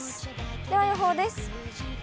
では予報です。